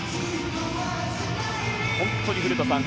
本当に古田さん